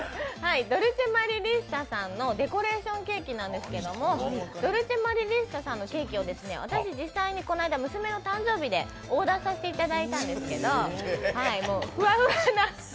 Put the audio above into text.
ドルチェマリリッサさんのデコレーションケーキなんですけどドルチェマリリッサさんのケーキを私、実際に娘の誕生日でオーダーさせていただいたんですけど、フワフワな。